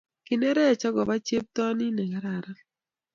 Kinereech agoba cheptonin negararan